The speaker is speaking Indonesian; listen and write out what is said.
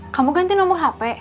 kamu ganti nomor hp